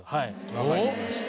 分かりました。